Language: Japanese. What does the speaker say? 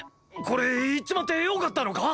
これ言っちまってよかったのか！？